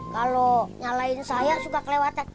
kalau nyalain saya suka kelewatan